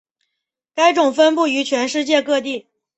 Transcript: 该种分布于全世界各地。